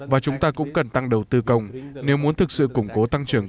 và chúng ta cũng cần tăng đầu tư công nếu muốn thực sự củng cố tăng trưởng